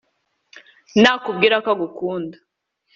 nakubwira ko agukunda